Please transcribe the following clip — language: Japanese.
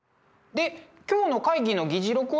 で今日の会議の議事録は？